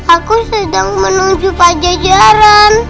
aku sedang menuju pajajaran